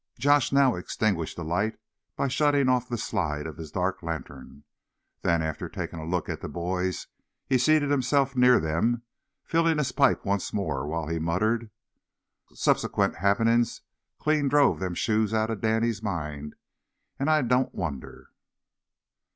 Josh now extinguished the light by shutting off the slide of his dark lantern. Then, after taking a look at the boys, he seated himself near them, filling his pipe once more while he muttered: "Subsequent happenin's clean drove them shoes outer Danny's mind. An' I don't wonder!"